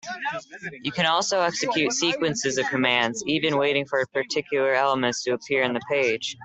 You can also execute sequences of commands, even waiting for particular elements to appear in the page.